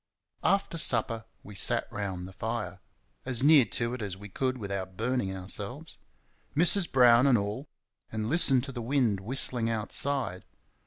After supper we sat round the fire as near to it as we could without burning ourselves Mrs. Brown and all, and listened to the wind whistling outside.